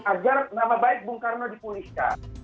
agar nama baik bung karno dipulihkan